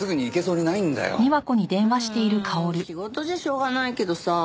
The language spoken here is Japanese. うん仕事じゃしょうがないけどさ。